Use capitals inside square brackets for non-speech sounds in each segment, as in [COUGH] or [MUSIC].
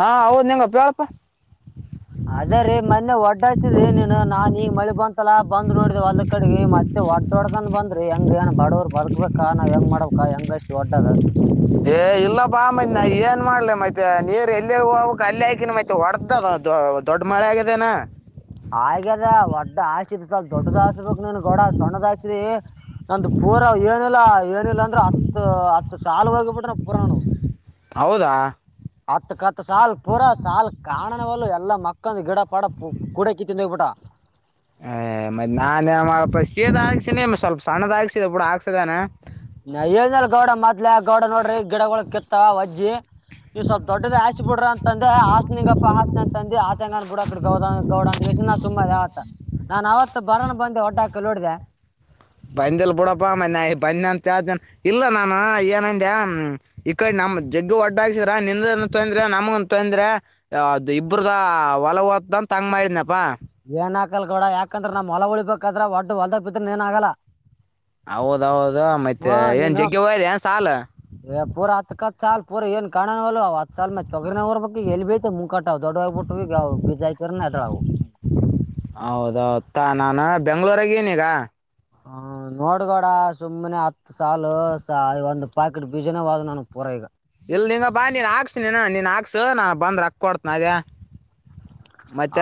ಹಾ ಹೌದ್ ನಿಂಗಪ ಹೇಳಪ್ಪಾ. ಅದ ರೀ ಮೊನ್ನೆ ಒಡ್ಡಾಯ್ತದ ಏನೇನ ನಾಣಿ ಮಳಿ ಬಂತಲ್ಲಾ ಬಂದ್ ನ. ರಿ ಒಲ್ದ ಕಡೆ ಮತ್ತೆ ಒಡ್ಡೊಡ್ಕೊಂಡ ಬಂದ ರಿ ಹೆಂಗ ಏನ್ ಬಡವರ ಬರ್ಕ್ಬೇಕ ನ ಹೆಂಗ ಮಾಡಬೇಕ ಹೆಂಗ ಇಷ್ಟ ಓಡ್ಡದ ಏ ಇಲ್ಲ ಬಾ ಮತ್ ನಾ ಏನ್ ಮಾಡ್ಲ ಮತ್ತೆ ನೀರ್ ಎಲ್ಲಿ ಹೋಗಕ್ ಅಲ್ಲಿ ಆಕಿನ ಮತ್ತ ಹೊಡ್ದದ ದೊ ದೊಡ್ಡ ಮಳೆ ಆಗಿದೆನಾ. ಆಗ್ಯದ ನನ್ ಗೊಡ ಸಣ್ಣಗಾಚ್ರ ನಂದ ಪೂರ ಏನಿಲ್ಲ ಏನಿಲ್ಲ ಅಂದ್ರ ಹತ್ ಹತ್ ಸಾಲ ಹೋಗಿ ಬಿಟ್ರ ನ ಪುರ ನವು ಹೌದಾ ಹತ್ಕ ಹತ್ ಸಾಲ ಪೂರ ಸಾಲ ಕಾಣಣವಲ್ಲ ಎಲ್ಲಾ ಮಕ್ಕಂದ ಗಿಡ ಪಾಡ ಕುಡಕಿ ತಿಂದ ಹೋಬಿಟ್ಟ. ಹ್ ಮೆ ನಾನ ಏನ್ ಸಿದ ಹಾಕ್ಸಿನಿ ಸ್ವಲ್ಪ ಸಣ್ಣದ ಹಾಕ್ಸಿದೆ ಬಿಡ ಹಾಕ್ಸದಾನ. ನ ಏನಲ್ ಗೌಡ ಮೊದ್ಲೆ ಗೌಡ ನೋಡ್ರಿ ಗಿಡಗಳ ಕೆತ್ತ ವಜ್ಜಿ ನೀವ ಸ್ವಲ್ಪ ದೊಡ್ಡದ ಹಾಸಿ ಬಿಡ್ರ ಅಂತ ಅಂದೆ ಆಸ್ಲಿಂಗಪ್ಪ ಹಾಸತನ ಅಂತ ಅಂದ ಆಚಂಗ ಅ ಬಿಡಡೆ ಗೌದ ಗೌಡ ಅಂದ ಯಷನಾ ಸುಮ್ಮ ಅದ ಆತ ನಾನ್ ಅವತ್ ಬರಾನ ಬಂದ ಹೊಡ್ಡ ಹಾಕಲು ನೋಡಿದ. ಬಂದಿಲ ಬಿಡಪ್ಪಾ ನಾ ಬನಿ ಅಂತ ಹೇಳತೇನ ಇಲ್ಲ ನಾನ ಏನಂದೆ ಈ ಕಡೆ ನ ಜಗ್ಗ ಒಡ್ಡ ಹಾಸರ ನಿಂದ ಏನು ತೊಂದ್ರೆ ನಮನ್ ತೊಂದ್ರೆ ಅದ ಇಬ್ಬ್ರದ ಹೊಲವ ರಾ ತಮ್ಮ ಇದ್ನಪ ಏನ್ ಆಕಲ್ ಕಡ ಯಾಕಂದ್ರ ನಮ್ಮ ಹೊಲ ಉಳಿಬೇಕ್ರ ಒಡ್ಡ ಹೊಲ್ದಗ ಬಿದ್ರ ಏನ ಆಗಲ್ಲ. ಹೌದೌದ ಮತ್ತೆ ಏನ್ ಜಗ್ಗೆವ ಏನ ಸಾಲ ಪುರ ಹತ ಕತ್ ಚಲ್ ಪೂರ ಏನ್ ಕಾಣವಲ್ಲ ಅವ ಅತ್ಲ್ ಮೆ ತಗನವರ ಬ ಎಲ್ಲಿ ಬಿತಿ ಮುಕಟ ಅವ್ ದಡ್ಡೋಗಬಟ್ಟ ಬೀಜ ಆಕ್ರಿನ ದ್ರಾವು ಹೌದ ತಾನಾನ ಬೆಂಗ್ಳೂರಾಗ ಏಣಿ ಈಗ ಹ ನೋಡ್ಗೋಡ ಸುಮ್ನೆ ಹತ್ ಸಾಲ ಒಂದ್ ಪಾಕೆಟ್ ಬೀಜನೇ ಹದು ನನ್ಗ್ ಪೂರ ಈಗ ಸ ನಾ ಬಂದ ರೊಕ್ಕ ಕೊಡ್ತನ ಅಗ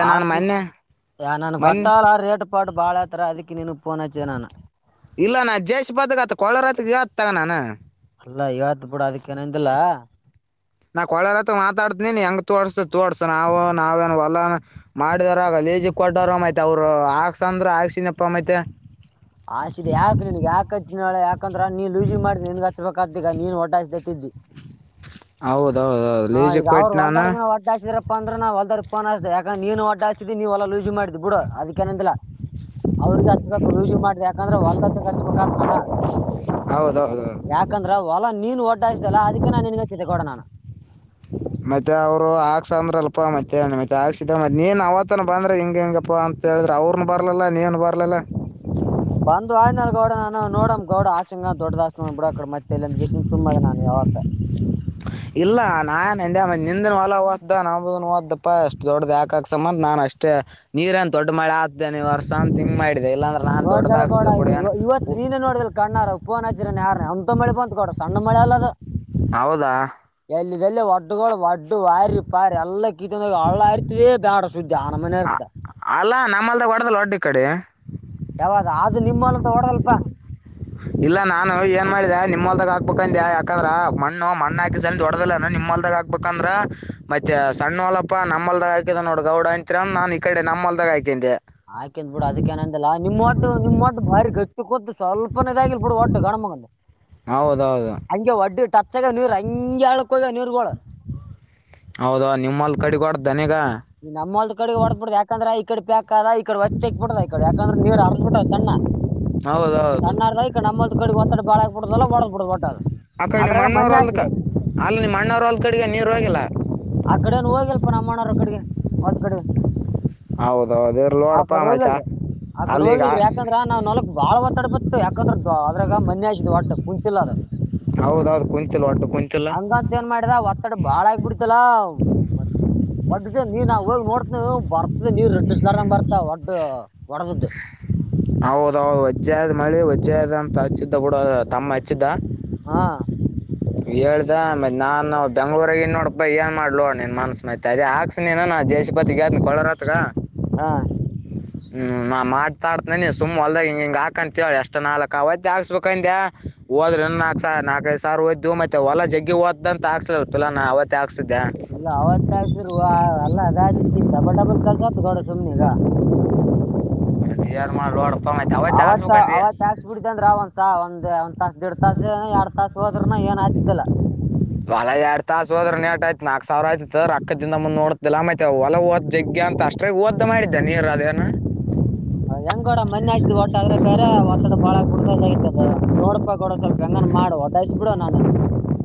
ಆಸ್ನಾ ನನ್ಗೆ ಮೊನ್ ಗೊತ್ತಲ್ಲ ರೇಟ್ ಪಾಟ್ ಬಾಳ ಹತರ ಅದಕ್ಕೆ ನೀನು ಫೋನು ಅಚ್ಚ ನಾನ ಇಲ್ಲ ನಾ ಜೇಶಿಪಿ ಅತಾಗ ಆತ್ ಕೊಳ್ಳೋರತ್ಗೆ ಆತ್ ತಗ ನಾನ ಲ್ಲ ಇವತ್ ಬಿಡ ಅದಕ್ಕ ಏನಿಂದಿಲ್ಲ. ನಾ ಕೊಳ್ಳುರ ಹತ್ತ ಮಾತಾಡ್ತನನ್ ಹೆಂಗ ತೋಡಿಸ್ತಿ ತೋಡ್ಸು ನಾವು ನಾವೇನು ಹೊಲ್ಲ ಮಾಡಿದರ ಜಿ ಕೊಟ್ಟವರು ಮತ್ತೆ ಅವ್ರು ಹಾಕ್ಸ ಅಂದ್ರ ಹಾಕ್ಸಿನಪ್ಪ ಮತ್ತೆ ಆಸಿದೆ ಯಾಕ ನಿನಗ ಯಕಕ ಹಚ್ಚಿನಳ ಯಾಕಂದ್ರ ನೀನ್ ಲೂಸಿಂಗ ಮಾಡಿ ನಿನ್ ಹಚ್ಬಬೇಕಾತ ಕಾದ್ದ ಈಗ ನೀನ್ ಹೊಡ್ದು ಹಾಕಿಸಿದ ಇದ್ದಿ. ಹೌದ ಹಾ ಈಗ ಅವ್ರು ಹೊಲ್ದರ್ಗ ಒಡ್ಡಾದರಪ್ಪ ಅಂದ್ರ ನಾ ಹೊಲ್ದವ ಪೋನ್ಸ್ತ ಯಾಂದ್ರ ನೀನುಡ್ಡಾ ನೀವಲ್ಲ ಲೂಸಿ ಮಾಡಿದ್ದ್ ಬಿಡು ಅದಕ್ಕೇನಂದಿಲ್ಲ. ಅವ್ರಿಗೆ ಹಚ್ಬೇಕು ಲೂಸಿ ಮಾಡ್ದ ಯಾಕಂದ್ರೆ ಹೊಲ್ದತ್ತಗ್ ಹಚ್ಬೇಕತ್ ನಾನ ಹೌದೌದೌದು ಯಾಕಂದ್ರ ಹೊಲಾ ನೀನ್ ಒದ್ದಾಯ್ಸಿದಲ್ಲ ಅದಕ್ಕೆ ನಾನ್ ನಿನ್ಗ ಚಿತೆ ಗೋಡಣಾನ ಮತ್ತೆ ಅವ್ರು ಹಾಕ್ಸ ಅಂದ್ರಲ್ಪಾ ಮತ್ತೆ ಮತ್ತೆ ಹಾಕ್ಸಿದ ಮತ್ತೆ ನೀನ್ ಅವತ್ತನ ಬಂದ್ರೆ ಹಂಗ ಹ ಹೆಂಗಪ್ಪಾ ಅಂತ ಅಂತ ಹೇಳಿದ್ರ ಅವ್ರನ್ ಬರಲಿಲ್ಲ ನೀನ್ ಬರಲಿಲ್ಲ [UNINTELLIGIBLE] ಬಂದು ಆಯ್ ನಾ ಗೌಡ ನೋಡಮ್ ಗೌಡ ಆಕ್ಷಂಗ ದೊಡ್ಡ ದಾಸಸ್ ಬಿಡಕಡ ಮತ್ತೆ ಇಂದ ಗ ಸುಮ್ಮ ಅದ ನಾನು ಮತ ಇಲ್ಲ ನಾನ್ ಎಂದೆ ನಿಂದನ್ ಹೊಲ ಹದ್ದ ನಮ್ದನ್ ಹಓ್ದಪ್ಪಾಷ್ಟ ದೊಡ್ಡ ಯಾಕ್ಸಬಂದ ನಾನು ಅಷ್ಟ ಅಷ್ಟೇ ನೀರ ಏನ್ ದೊಡ್ಡ ಮಳೆ ಆದ್ದೇ ನೀ ವರ್ಷ ಅಂತ ಹಂಗ್ ಮಾಡ ನೋಡ್ದಲ್ಲ ಕೋಡ ಇವತ್ತು ನೀನು ನೋಡ್ದಲ್ಲ ಕಣ್ಣಾರ ಪವನ್ ಹಜಿರ ಯಾರ ಅಂತ ಮಳೆ ಬಂತ್ ಕೊಡ ಸಣ್ಣ ಮಳೆ ಅಲ್ಲದು ಹೌದಾ ಇಲ್ಲದೆಲ್ಲ ಒಡ್ದು ಗಳು ಒಡ್ ಇಟ್ಟ ವಾರಿ ಪಾರಿ ಎಲ್ಲ ಕೀತ್ತಂದ ಹಳ್ಳ ಇರ್ತದೇ ಬೇಡ ಶುದ್ದ ಆನ ಮನೆ ಇರ್ತದ ವಡದ ಒಡ್ಡ ಕಡೆ ಯಾವಾಗ ಅದು ನಿಮ್ಮ ಹೊಲ ದೊಡ್ಡದು ಅಲ್ಲ ಅಪ್ಪ ಇಲ್ಲ ನಾನು ಏನ್ ಮಾಡಿದೆ ನಿಮ್ಲ್ದಾಗ ಹಾಕ್ಬೇಕಂದ್ಯಾ ಯಾಕಂದ್ರ ಮಣ್ಣ ಮಣ್ಣ ಹಾಕಿಸ ಸ ದೊಡ್ಡ್ದ ನಿಮ್ಮ ಅಲ್ದಾಗ ಹಾಕ್ಬೇಕಂದ್ರ ಮತ್ತೆ ಸಣ್ಣ ಹೊಲಪ್ಪಾ ನಮ್ಮಲ್ದಾಗ ಹಾಕಿದ ನೋಡ ಗೌಡ ಅಂತಿರ ನಾನ್ ಈ ಕಡೆ ನ ನಮ್ಮ ಹೊಲ್ದಾಗ ಹಾಕಿದೆ ಹಾಕಿದ್ ಬಿಡು ಕೂು ಸ್ವಲ್ಪನೇದಾಗಿಲಿ ಬಿುಡ ಒಟ್ಟು ಗಣಮಗ ಹೌದೌದು ಹಂಗೆ ಒಡ್ಡಿ ಟಚ್ಗ ನೀರ್ ಹಗೆ ಎರಡಕ್ಕಗ ನೀರ್ಗೋಳ ಹೌದಾ ನಿಮ್ಮ ಹೊಲದ ಕಡೆ ನಿಗಾ ಈ ನಮ್ಮಲ್ದ ಕಡೆ ಹೊಡ್ಬ ಬಿಡ್ರ ಯಾಕಂದ್ರೆ ಈ ಕಡೆ ಪ್ಯಾಕ್ ದ ಈ ಕಡೆ ವಚ್ಚೆಕ್ ಬಿತದ ಈ ಕಡೆ ಯಾಕಂದ್ರೆ ನೀರ್ ಹ ಆರ್ಲ್ಬ ಬಿಟತ ಸಣ್ಣ ಹೌದೌದು ಸಣ್ಣಾರ ಈ ನಮ್ಮಂದು ಕಡೆಡಿ ಒತ್ತಡ ಬಾಳ ಆಗ್ಬ ಬಿಡದಲ್ಲ ಒಡ್ ಬಿಡ ಒಟ್ಟ ಅಕಡೆ ನಿಮ್ ಅದ್ರಾಗ ಅಣ್ಣವ್ರ ಮಣ್ಣೆ ಹೊಲಕ್ಕ ಹಾಸಿದೆ ಅಲಾ ಅಲ್ಲ ನಿಮ್ ಅಣ್ಣವ್ರ ಅಲ್ ಕಡೆಗೆ ನೀರು ಹೋಗಿಲ್ಲ. ನಮ್ಮಣ್ಣ ಕಡೆಗೆ ಹೊಲ ಕಡ ಹೌದು ಹೌದು ಇರ್ಲಿ ನೋಡಪ್ಪ ಆಯ್ತಾ ಹೋಗಿಲ್ರಿ ಆ ಕಡೆ ಅಲ್ಲಿಗ ಹೋಗಿಲ್ರಿ ಯಾಕಂದ್ರ ನಾವ್ ನಲ್ಕಕ್ ಬಾಳ ಒತ್ತಾಡ್ ಬ ಯಾಕಂದ್ರೆ ಅದ್ರಾಗ ಮನೆ ಹಸಿದ್ ಒಡ್ಡ ಕುಂತಿಲ್ಲ ಅದು ಹೌದೌದು ಕುಂತಿಲ್ಲ ಒಟ್ಟು ಕುಂತಿಲ್ಲ ಹಂಗಂತ ಏನ್ ಮಾಡಿದ ಒತ್ತಡ ಬಾಳ ಬಿಡ್ತಾಲಾ ಒಟ್ಟ ನೀ ನಾವು ಹೋಗಿ ನೋಡ್ತ ಬರ್ತದೆ ನೀ ರೆಡ್ ಸ್ಲಡ್ ಬರ್ತ ಒಡ್ ಒಡದದ್ದ ಹೌದೌ ವಜ್ಜೆ ಆದ್ ಮಳಿ ವಜ್ಜೆ ಆದದ ಅಂತ ಹಚ್ಚಿದ್ದ ಬಿಡ ತಮ್ಮ ಹಚ್ಚಿದ್ದ ಹಾ ಹೇಳ್ದ ಮತ್ ನಾನು ಬೆಂಗ್ಳೂರಗ ಇನ್ ನೋಡಬಾ ಏನ್ ಮಾಡ್ಲೋ ನಿನ್ ಮನ್ಸ್ ಮೈತೆ ಅದೇ ಹಾಕ್ಸ ನೀನ್ ಜಯೇಶಪತಿಗಾರ ಕೊಳೋರತ್ಗ ಹಾ ಹೂ ನಾ ಮಾಡ್ತಾನೆ ಸುಮ್ಮ್ ಹೊಲ್ದಾಗ ಹಿಂಗ ಹಿಂಗ ಹಾಕಂತೇಳಿ ಎಷ್ಟ್ ನಾಲ್ಕ ಅವತ್ತೇ ಹಾಕ್ಸ್ಬೇಕಂದ ಹೋದ್ರ ನಾಕ್ ಸ ನಾಕ ದು ಸರ್ ಹದ್ ಮತ್ತೆ ಹೊಲ ಜಗ್ಗ ಹದ್ದ ಅಂತ ಆಕ್ಸಲ್ಲಾ ಅವ ಇಲ್ಲ ಅವತ್ತ ಆಗ್ಸ ಅಲ್ಲ ಅದ ಆತಿ ಡಬಲ್ ಡಬಲ್ ಆತ್ಕ ಸೊ್ದ ಗ ಸುಮನ ಕಾ ಮತ್ತೆ ಏನ್ ಮಾಡ್ಲೋಡಪ್ಪ ಮತ್ತೆ ಅವತ್ತೆ ಅವತ್ ಹಾಕ್ಸ್ಬೇಕಂದಿ ಅವತ್ ಆಾಕ್ಸ್ ಬಿಡ್ತಂದ್ರ ಒಂದ್ಸ ಒಂದ ಒಂದ್ ತಾಸ ದೀಡ್ ತಾಸ ಎರಡ್ ತಾಸ ಹೋದರುನ ಏನ ಆತಿದ್ದಾ ಹೊಲ ಎರಡ್ ತಾಸ ಹೋದ್ರೆ ನೇಟ್ ಆಯ್ತ ನಾಕು ಸಾವಿರ ಆಯ್ತ ಸರ್ ರೊಕ್ಕಹಿಂದ ಮುಂದ್ ನೋಡತಲ್ಲ ಆಯತವ ಹೊಲಗ ದ ಜಗೆ ಅಂತ ಅಷ್ಟ್ರೇ ಓದ್ ಮಾಡಿದ್ದೆ ನೀವ ಅದ [UNINTELLIGIBLE] ಹೆಂಗೋಡ ಮನೆಿ ಹಚ್ಚ್ದ್ ಒಟ್ಟ ಆದ್ರೆ ಬೇರೆ ಒತ್ತಡ ಬಾಳಗ್ ಬಿಡ್ದದ ನೋಡಪಾ ಗೌಡ ಸ್ವಲ್ಪ ಹೆಂಗ ಮಾಡ ಹೊಡಾಯಸ್ ಬಿಡು ನಾನು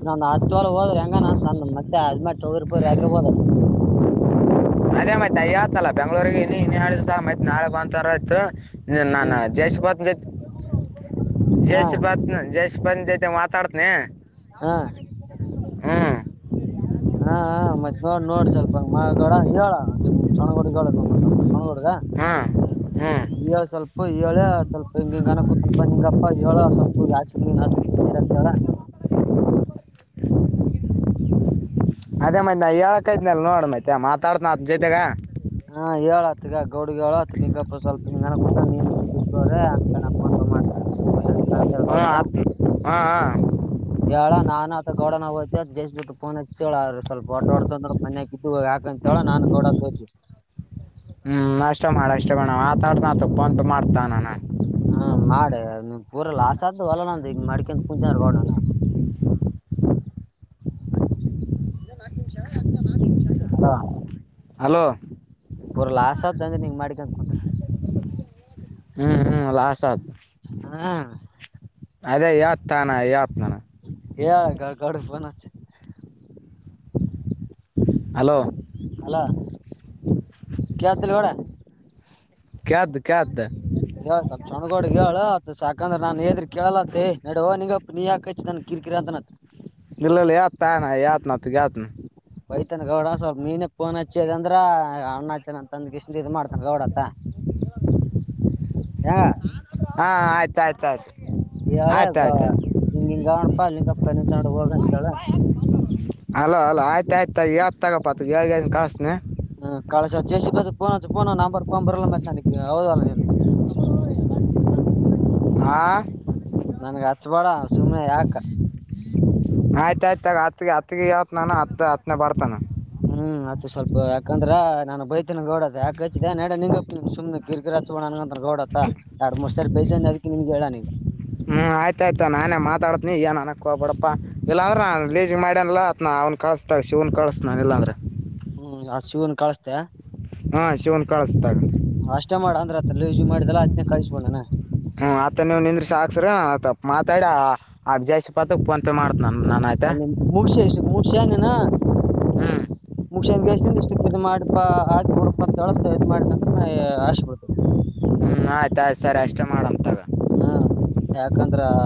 ನನ್ ಹತ್ತು ಒಳ ಹೋದ್ರೆ ಹೆಂಗ ನ ಮತ್ತೆ ಅದ್ಮೇ ಹೋಗ್ರ ಹಾಕಬೋದ [UNINTELLIGIBLE] ಅದೇ ಮೈತ್ಯತಲ್ಲ ಬೆಂಗ್ಗಳೂರಿಗೆ ಇ ಇ ಹೇಳಿದ ಸ ಮತ್ ನಾಳೆ ಬಂದರಾಯಿತ್ತು ಹ್ಮ್ ಹಾ ಆಯ್ು [UNINTELLIGIBLE] ತಡ್ತನೆ. ಹಾ ಹಾ ಹಾ ಮತ್ ನೋಡ್ ನೋಡ್ ಸ್ವಲ್ಪ ಮಗೋಡ ಹೇಳ ನಿಮ್ ಸಣ್ಣ ಗೌಡಗ ಹೇಳ ಸಣಗೋಡ್ಗ ಹ್ಞೂ [UNINTELLIGIBLE] ಹ್ಞೂ ಅತ್ ಹೇಳ ಸ್ವಲ್ಪ ಹೇಳ್ ಸ್ವಲ್ಪ ಹಿಂಗಿಂಗನ ಅನ್ನಕೂತ್ನಪ ನಿಂಗಪ್ಪಾ ಹೇಳ ಸ್ವಲ್ಪ [UNINTELLIGIBLE] ಅಂತ್ ಹೇಳ್. ಅದೇ ಮತ್ ನಾ ಹೇಳಕತ್ನಳ ನೋಡ್ ಮತ್ತೆ ಮಾತಾಡ್ತನ ಅತ್ನ ಜೊತೆಗ. ಹಾ ಹೇಳತ್ಗ ಗೌಡ್ಗೆ ಹೇಳತ್ ನಿಂಗಪ್ಪ ಸ್ವಲ್ಪ. [UNINTELLIGIBLE] ಹಾ ಗೌಡಗ ಆತ್ ಹಾ ಹಾ ಹೇಳ ನಾನು ಆತ್ ಗೌಡನಾ ಹೋಯ್ತೀವ್ ಜಷ್ಟಸ್ ಬತ್ ಪೋನ್ ಹಚ್ಚ ಹೇಳ್ ಸ್ವಲ್ಪ ಒಟ್ಟ ಓಡದ ಅಂದ್ರ ಮನ್ಯಾಗ ಇದ್ದಿದ್ದ ಹಾಕ್ ಅಂತ ಹೇಳ ನಾನ್ ಗೌಡಾ ಕೊಯ್ತೀವಿ. ಹ್ಮ್ ಅಷ್ಟ ಮಾಡ ಅಷ್ಟ ಮಾಡ ನಾ ಮಾತಾಡ್ತೆನ್ ಆತ್ ಪೋನ್ ಪೇ ಮಾಡ್ತ ನಾನ. ಹ್ಮ ಮಾಡ ನೀ ಪೂರ ಲಾಸ ಆತದ ಅಲಾ ನಂದ ಹಿಂಗ್ ಮಾಡ್ಕೋತ್ ಕುಂತಿ ಅಂದ್ರ ಗೌಡಾ ನಾ. [UNINTELLIGIBLE] ಹಲೋ ಹಲೋ ಪೂರ ಲಾಸ್ ಆತದ ನಿಂಗ್ ಮಾಡಿಕೊಂತ ಕುಂತ್ರ. ಹ್ಮ್ ಹ್ಮ್ ಲಾಸ್ ಅದ. ಹಾ ಅದೇ ಹೇಳ್ತನ ಹೇಳ್ತಿನ್ ನಿಂಗ್. ಹೇಳ್ ಗೌಡ್ ಗೌಡಗ್ ಫೋನ್ ಹಚ್ಚಿ. ಹಲೋ ಹಲೋ ಕೇಳ್ತತಿಲ್ಲ ಗೌಡ. ಕೇಳ್ದ ಕೇಳ್ದ. ಹೇಳ ಸ್ವಲ್ಪ್ ಶಣ್ಣ ಗೌಡಗ್ ಹೇಳ್ ಸಾಕಂದ್ರ ನಾನ್ ಹೆಳಿದ್ರ ಕೇಳಲ್ಲಂತಿ ನಡುುವೋ ನಿಂಗಪ್ಪ ನೀ ಯಾಕ ಹಚ್ಚಿದ ನಂಗ್. ಕಿರಿ ಕಿರಿ ಅಂತಾನಂತ್. ನಿಲ್ಲಲೇ ಅತ್ತನಾ ನಾ ಹೇಳ್ತನ್ ಅತ್ತಗ ಹೇಳ್ತನ್. ಬೈತನ ಗೌಡ ಸ್ವಲ್ಪ ನೀನೆ ಪೋನ್ ಹಚ್ಚಿ ಹೇಳ್ದ ಅಂದ್ರ ಅಣ್ಣ ಹಚ್ಚನ್ ಅಂತ ಅಂದಕೇಶಿ ಇದು ಮಾಡ್ತಾನ ಗೌಡ್ ಅತ್ತ. ಹಾ ಆಯ್ತ ಆಯ್ತ ಆಯ್ತ. ಹೇಳಳೆ ಹಿಂಗಿಂಗ ಆದ ನೋಡ್ಪ ಲಿಂಗಪ್ಪ ಕಣ್ಣಿಟ್ಟ ನೋಡ್ ಹೋಗ ಅಂತ ಹೇಳ್. [UNINTELLIGIBLE] ಹಲೋ ಹಲೋ ಆಯ್ತ ಆಯ್ತ ಹೇಳ್ತಾತೋಗೊಪ್ಪ ಅತ್ತಾಗ ಹೇಳ್ಕೆಶಿನಿ ಖಲ್ಸ್ತೇನಿ. ಹ್ಮ್ ಕಳ ಚೇಸಿ ಬಾಜುಕ ಪೋನ್ ಹಚ್ಚು ಪೋನ್ ನಂಬ ಬರ್ಕ್ ಬರಲ್ಲ ಮತ್ತ್ ನನಗೆ ಹೌದಲ್ಲ ನೀನು. [UNINTELLIGIBLE] [UNINTELLIGIBLE] ಆ ನನ್ಗ ಹಚ್ಬೇಡ ಸುಮ್ಮನೆ ಯಾಕ. ಆಯ್ತಾಯ್ತ ತೊಗೊ ಆ ಹತ್ಗ ಹತ್ಗೆ ಹೇಳ್ತನ್ ನಾನು ಹತ್ ಹತ್ನೇ ಬರ್ತಾನ. ಹ್ಮ್ ಅತ್ ಸ್ವಲ್ಪ ಯಾಕಂದ್ರ ನಾನು ಬೈತನ ಗೌಡ ಯಾಕಚ್ಚಿದೆ ನಡ ನಿಂಗಪ್ಪ ನಿಮ್ ಸುಮನೆ ಕಿರಿ ಕಿರಿ ಹಚ್ಚ್ಬ್ಯಾಡ್ ನಂಗ್ ಅಂತ. ಗೌಡತ್ತ ಯಾಡ್ ಮೂರ್ ಸರಿ ಬೇಸ್ಕನ್ನಿ ಅಕಿ ನಿನ್ಗೆ ಹೇಳನ ಈಗ್. ನೀ ಏನ್ ಅನಕ್ ಹೋಗ್ಬ್ಯಾಡಪ್ಪ ಇಲ್ಲಾಂದ್ರ ಲೇಜಿ ಮಾಡ್ಯನಲ್ಲ ಅತ್ನ ಅವ್ನ್ ಕಳಸತಾಗ ಶಿವ್ನ್ ಕಳಿಸ್ತನ ನಾನ ಇಲ್ಲಾಂದ್ರ. ಹ್ಮ್ ಆ ಶಿವನ್ ಕಳಸ್ತ್ಯ. ಹ್ಮ್ ಶಿವನ್ ಕಳಸ್ತ ಅಷ್ಟೇ ಮಾಡ ಅಂದ್ರ ಅತ್ತಲ್ಲ ಲೂಸಿ ಮಾಡಿದೆಲ್ಲಾ ಅತ್ನೇ ಕಳ್ಸಕೊಡ ನೀನ್. ಹ್ಮ್ ಆತ್ತ ನೀವ್ ನಿಂದರ್ಸಿ ಹಾಕ್ಸ್ರ್ಯ ಆತ ಮಾತಾಡಿ ಆಗ್ ಜಾಸ್ ಪಾತ್ಕ್ ಫೋನ್ ಪೇ ಮಾಡ ಬನ್ನಿ ನೀನ್ ಮುಗಶೀ ಏಶಿ ಮುಗಶ್ಯ ನೀನು ಹ್ಞೂ ಮೂಗಶ್ಯಂದ ಕೇಶಿಂದ ಇಷ್ಟಕ್ಕ ಇದ ಮಾಡಪಾ ಹಾಕ್ ಬಿಡಪಾ ಅಂತ ಹೇಳ ಇದ್ ಮಾಡಿದಂದ್ರ ನ ಆಶಿ ಬಿಡ್ತೇವಿ. ಹ್ಮ ಆಯ್ತು ಆಯ್ತಾ ಸರಿ ಅಷ್ಟೇ ಮಾಡಮ್ ತಗ. ಹ್ಮ್ ಯಾಕಂದ್ರ ಆ.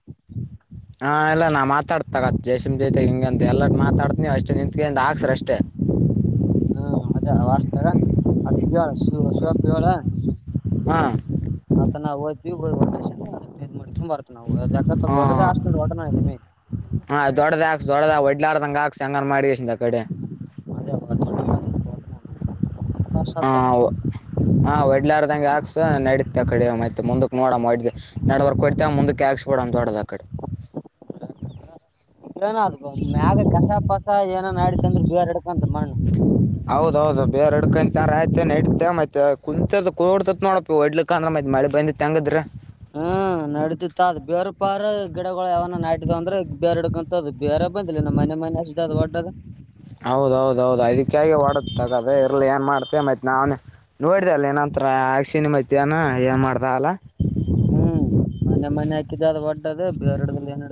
[UNINTELLIGIBLE] ಹ್ಮ ಎಲ್ಲ ನಾ ಮಾತಾಡತಿನಿ ತಗಾ ಜೆಸಿಬಿ ಆತನ ಜೊತೆ ಹಿಂಗ ಅಂತ ಎಲ್ಲರ ಮಾತಾಡ್ತ ನೀವ ಅಷ್ಟೇ ನಿಂತಗೋರಿ ಹಾಕ್ಸತ ಇರಿಅಷ್ಟೇ. ಹ್ಮ ಹ್ಮ್ ಅದೇ ವಸ್ತಾಗ ಆತಗ ಹೇಳು ಶಿವ ಶಿವಪ್ಪಗ ಹೇಳ. ಹಾ. ಆತಾ ನಾವು ಹೋತೀವಿ [INAUDIBLE] ಮಾಡ್ಕೊಂಡ್ ಬರ್ತಿವಿ ನಾವು. ಜಗ್ಗ ಸ್ವಲ್ಪ ದೊಡ್ಡದ ಹ್ಮ ಅಷ್ಟು ಹೊಡೆನ ಇದೀನಿ ಹ ದೊಡ್ಡದ ಹಾಕ್ಸ ದೊಡದ ಒಡ್ಲಾರಡ್ದಂಗ ಹಾಕ್ಸ. ಹೆಂಗಾನ ಮಾಡಿಗೆಸಿಂದ ಆಕಡೆ. ಅದೇ ಹ ಶಬ್ದ ಓ ಒಡ್ಲಾರ. ಗೆ ಹಾಕ್ಸ ನಡತಿ ಅ ಕಡೆ ಮ ಮುಂದಕ್ ನೋಡಮ್ ನಡವರ್ಕ್ ಹೊಡಿತ್ಯವ ಮುಂದಕ್ ಹಾಕ್ಸ್ಬಿಡಂತ ದೊಡೋದ ಅಕಡೆ. [INAUDIBLE] ಇನ ಅದು ಮ್ಯಾಗ ಕಸ ಪಸ ಏನನ್ ಆಡಿತ ಅಂದ್ರೆ ಬೇರ್ ಹಿಡ್ಕಂತ ಮಣ್ಣು. ಹೌದೌದು ಬೇರೆ ಹಿಡ್ಕಂತ ಆಯ ನ ಇಡ್ತೆ ಮತ್ತೆ ಕುಂತ ಕೂಡ್ತತ್ ನೋಡ ಹೊಡ್ಲಿಕ್ ಅಂದ್ರೆ ಮತ್ತ ಮಳೆ ಬಂದಿತ್. ಹೆಂಗದ್ರ ಹ್ಮ ನಡತಿತ್ ಅದ ಬೇರ್ ಪಾರ ಗಿಡಗಳು ಯಾವನ ನಾಟಿದ ಅಂದ್ರೆ ಬೇರೆ ಹಿಡಕಂತ. ಅದು ಬೇರೆ ಬಂದಿಲ್ಲ ನಮ್ಮ ಮನೆ ಮನೆ ಅಷ್ಟ ಅದು ಒಡ್ಡದ. ಹೌದೌದೌದು ಅದಕ್ಕಾಗಿ ಒಡದ ತಗದ ಇರ್ಲಿ ಏನ್ ಮಾಡ್ತ ಮತ್ ನಾನೇ. ನೋಡಿದೆ ಅಲ್ಲ ನೀನಂತ ಹಾಕ್ಸಿನ ಮತ್ಯಾನ ಏನ್ ಮಾಡ್ದ ಅಲ್ಲ. ಹ್ಮ್ ಮನ್ನೇ ಮನ್ನೇ ಹಾಕಿದ್ದ ಅದು ಒಡ್ಡದು ಬೇರ ಇಡ್ದಿಲ್ಲ ಏನಿಲ್ಲ.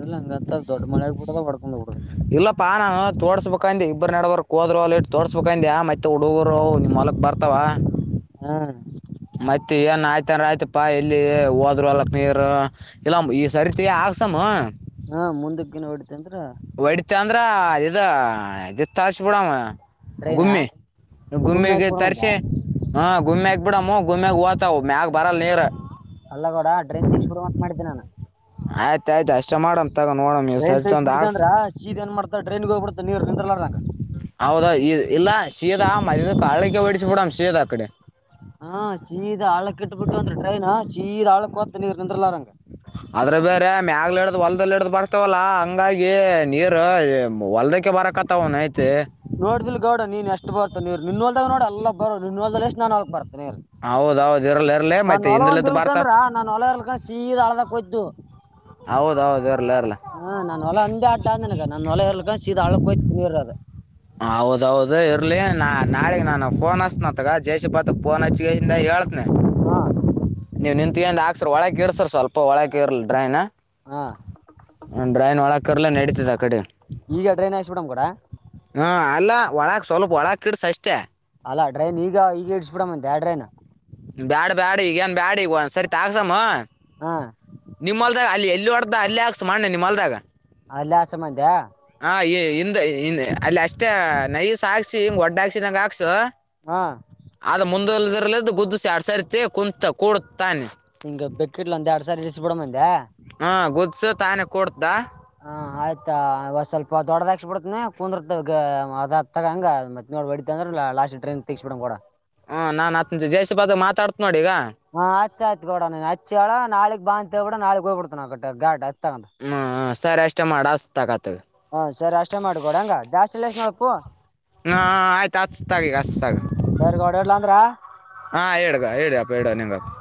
ಇಲ್ಲ ಪ ನಾನು ತೋಡ್ಸ್ಬೇಕಂದೆ. ಇಬ್ಬರು ನೆಡಬರ್ಕಾ ಹೋದ್ರೆ ಹೋಗ್ಲಿ ತೋಡಿಸ್ ಬೇಕಂದ ಮತ್ತೆ ಹುಡುಗರು ನಿಮ್ಮ ವಲಕ್ ಬರ್ತಾವ. ಹಾ. ಮತ್ತೆ ಏನ್ ಆಯ್ತನ್ ಆಯ್ತಪಾ ಇಲ್ಲಿ ಹೋದ್ರೂ ಹೊಲಕ್ ನೀರ್. ಇಲ್ಲ ಈ ಸರತಿಯ ಆಕ್ಸಮ್. ಹಾ ಮುಂದಕ್ಕಿನ ಹೊಡಿತಂದ್ರ ಹೊಡಿತ ಅಂದ್ರ ಅ ಇದ ತರ್ಸ್ ಬಿಡಮ್ಮ. ಟ್ರೈನ ಗುಮ್ಮಿ ಗುಮ್ಮಿ ಗುಮ್ಮಿಗೆ ಹಾಕ್ಬಿಡಮಂತ ತರ್ಸಿ. ಹಾ ಗುಮ್ಯಾಗ ಬಿಡಮ್ಮ ಗುಮ್ಯಾಗ ಹೊತವು ಮ್ಯಾಗ ಬರಲ್ಲ ನೀರ್. ಅಲ್ಲಗೌಡ ಟ್ರೈನ್ ತೆಗಿಸ್ಬಿಡಮ ಅಂತ ಮಾಡಿದ್ದೆ ಆಯ್ತಾ ಆಯ್ತು ಅಷ್ಟೇ ಮಾಡಂ. ಡ್ರೈನ್ ತಗಸ್ಯ ಬಿಟ್ಟಿದ್ ಅಂದ್ರ ಸೀದ್ಏನ್ ಮಾಡ್ತಾ ಡ್ರೈನ್ಗೆ ಹೋಗ್ಬಡ್ತ ನಿಂದರ್ಲಾರ್ನಂಗ. ಹೌದ ಈ ಇಲ್ಲ ಶೀದಾ ಮದಿಂದ ಹಳಕ್ಕೆ ಹೊಡಿಸಿ ಬಿಡಮ ಶೀದಾ ಆ ಕಡೆ. ಹಾ ಶೀದಾ ಆಳಕ್ ಇಟ್ ಬಿಟ್ಟು ಅಂತ್ರ ಡ್ರೈನ್ ಶೀದಾ ಆಳಕ್ ಹತ್ತ ನೀರ್ ನಿಂದ್ರಲ್ಲಾರಂಗ. ಆದ್ರ ಬೇರೆ ಮ್ಯಾಗಲೆ ಇಡ್ದ್ ಹೊಲ್ದಲ್ ಇಡ್ದ್ ಬರ್ತವಲ್ಲಾ ಹಂಗಾಗಿ ನೀರು ಹೊಲ್ದ. ನೋಡ್ದಿಲ್ ಗೌಡ ನೀನ್ ಎಷ್ಟು ಬರ್ತ ನೀರ್ ನಿನ್ನ ಹೊಲ್. ನೋಡಿಲ್ಲ ಬೋರ್ ನಿನ್ ಹೋಲ್ದಾಗ ಲೆಸಿ ನನ್ಕ್ ಹೊಲಕ್ ಬರ್. ಹೌದೌದು ಇರ್ಲಿ ಇರ್ಲಿ ನಾನ ಮತ್ತೆ ಒಲ ಹಿಂದಲದ್ದು ಬರ್ತಾವ ಒಂದಿರ್ಕಂದ್ರ ನಾನ ಹೊಲ ಇರ್ಲ್ಕ ಸೀದ್ ಹಳ್ಳದಾಕ. ಇದು. ಹೌದೌದು. ಇರ್ಲಿ ಇರ್ಲಿ ಹಾ ನಾನನ್ ಹೊಲ ಅಂದೇ ಅಡ್ಡ ಅಂದನಗ ನಾನನ್ ಹೊಲ ಇರ್ಲಕ್ಕ ಸೀದ ಹಳಕ್ಕೋಯ್ತ ನಿರ್ ಅದು. ಹೌದೌದು ಇರ್ಲಿ ನಾ ನಾಳೆಗ್ ನಾನು ಫೋನ್ ಹಚ್ನತ್ಗ ಜೈ ಸಿಬಿ ಪಾತ್ಕ್ ಯನ್ ಹಚ್ಗ. ಇ ಹೇಳ್ತನೆ ಹಾ ನೀವು ನಿಂತಗಂದ್ದ ಹಾಕ್ಸರ್ ಒಳಗೆ ಇರ್ಸರ್ ಸ್ವಲ್ಪ ಒಳಗೆ ಇರಲಿ ಡ್ರೈನ. ಹಾ. ಡ್ರೈನ್ ಒಳಕೀರ್ಲಿ ನಡತದ ಆ ಕಡೆ. ಈಗ ಡ್ರೈನ್ ಹಾಕಿಸಿ ಬುಡಮ್ ಗೋಡ. ಹಾ ಅಲ್ಲ ಒಳಕ್ ಸ್ವಲ್ಪ ಒಳಕ್ ಇಡಸ ಅಷ್ಟೇ. ಅಲ್ಲ ಡ್ರೈನ್ ಈಗ ಈಗ ಇಡ್ಸ್ಬಿಡ ಅಂದೆ ಆ ಡ್ರೈನ್. ಬ್ಯಾಡ ಬ್ಯಾಡ ಈಗ ಏನ್ ಬ್ಯಾಡ್ ಈಗ ಒಂದ್ ಸರ್ತಿ ಹಾಕ್ಸಮ ಹಾ ನಿಮ್ಮಲ್ದಾಗ ಅಲ್ಲಿ ಎಲ್ಲಿ. ಇಲ್ಲಿ ಹೊಡೆದ ಅಲ್ಲಿ ಹಾಕ್ಸು ಮಣ್ಣು ನಿಮಲ್ದಾಗ. ಅಲ್ಲೇ ಹಾಕ್ಸಮ್ ಅಂದ್ಯ. ಹ ಈ ಹಿಂದ ಹಿಂದ ಅಲ್ಲಿ ಅಷ್ಟೇ ನೈಸ್ ಹಾಕ್ಸಿ ಹಂಗ್ ಒಡ್ಡ ಹಾಕ್ಸಿದಂಗ ಹಾಕ್ಸ. ಹಾ. [UNINTELLIGIBLE] ಬೆಕ್ಕೆಟ್ಲ್ ಒಂದ ಎರಡು ಸಾರಿ ಇರಿಸಿ ಬಿಡಂದ್ಯಾ ಹಾ ಗೊತ್ಸತ್ ಹಾ ಆಯ್ತಾ ವಷ್ ಸ್ವಲ್ಪ ದೊಡದಾಕ್ಸ್ಬ ಬಿಡ್ತನಿ ಕುಂದರ್ತ ಅದ ಅತ್ತಾಗ ಹಂಗ ಮತ್ತೆ ನೋಡ ಒಡಿತ್ತ ಅಂದ್ರ ಲಾಸ್ಟ್ಗೇ ಟ್ರೈನ್ ತಗಸ್ಬಿಡಂ ಗೌಡ ಹ್ಮ ನಾನ್ ಆತ್ ಜಯಷಿ ಬಾದ ಮಾತಾಡ್ತ್ ನೋಡ ಈಗ ಚ್ಚಾಯತ್ ಗೌಡ ಹಚ್ಚೇಳ ನಾಳೀಗ್ ಬಾ ಅಂತ ಹೇಳ್ಬಿಡು ನಾಳಿಗ್ ಹೋಗ್ಬಿಡ್ತೀನ್ ನಾನು ಗಾಡ ಹ್ಮ ಹ್ಮ ಸರಿ ಅಷ್ಟೇ ಮಾಡ ಅಸ್ತಗತ್ ಹಾ ಸರಿ ಅಷ್ಟೇ ಮಾಡ ಗೋಡಂಗ [UNINTELLIGIBLE] ಹಾ ಹಾ ಆಯ್ತ ಹಚ್ತಾಗೀಗ ಹಚ್ತಾಗ ಸರಿ ಗೌಡ ಇಡ್ಲಾ ಅಂದ್ರ [UNINTELLIGIBLE]